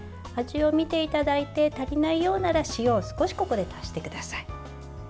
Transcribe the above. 味を見ていただいて足りないようならば塩を少しここで足してください。